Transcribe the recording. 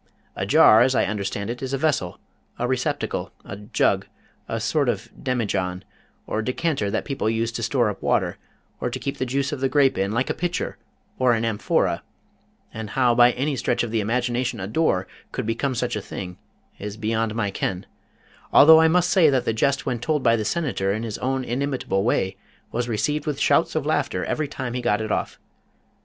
A jar, as I understand it, is a vessel, a receptacle, a jug, a sort of demijohn, or decanter that people use to store up water, or to keep the juice of the grape in, like a pitcher, or an amphora; and how by any stretch of the imagination a door could become such a thing is beyond my ken, although I must say that the jest when told by the Senator in his own inimitable way, was received with shouts of laughter every time he got it off.